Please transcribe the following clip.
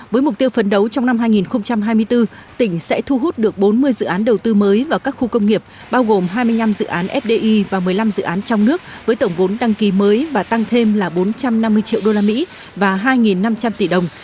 với mục tiêu phấn đấu trong năm hai nghìn hai mươi bốn tỉnh sẽ thu hút được bốn mươi dự án đầu tư mới vào các khu công nghiệp bao gồm hai mươi năm dự án fdi và một mươi năm dự án trong nước với tổng vốn đăng ký mới và tăng thêm là bốn trăm năm mươi triệu usd và hai năm trăm linh tỷ đồng